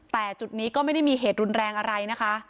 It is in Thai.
แต่จุดนี้ก็ไม่ได้มีเหตุรุนแรงอะไรนะคะ